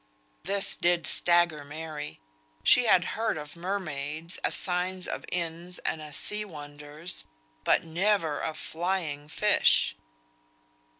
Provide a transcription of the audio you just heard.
This did stagger Mary. She had heard of mermaids as signs of inns, and as sea wonders, but never of flying fish.